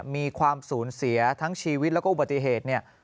มีความสูญเสียทั้งชีวิตและอุบัติเหตุ